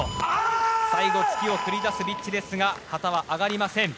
最後に突きを繰り出すビッチですが旗は上がりません。